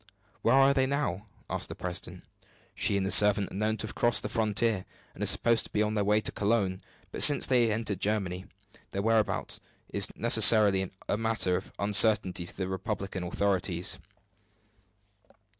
"Where are they now?" asked the president. "She and the servant are known to have crossed the frontier, and are supposed to be on their way to Cologne. But, since they have entered Germany, their whereabouts is necessarily a matter of uncertainty to the republican authorities."